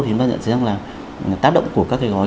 chúng ta nhận thấy rằng là tác động của các cái gói